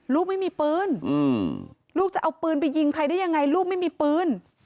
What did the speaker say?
ลูกไม่มีปืนลูกจะเอาปืนไปยิงใครได้ยังไงลูกไม่มีปืน